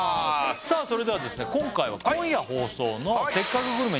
それでは今回は今夜放送の「せっかくグルメ！！」